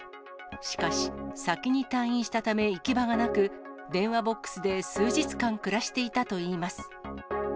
しかし、先に退院したため行き場がなく、電話ボックスで数日間、暮らしていたといいます。